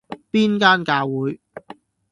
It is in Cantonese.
邊間教會?